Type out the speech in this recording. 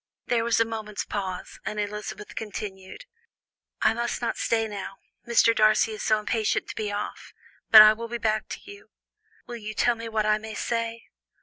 There was a moment's pause, and Elizabeth continued: "I must not stay now. Mr. Darcy is so impatient to be off, but I will be back to you. Will you tell me what I may say?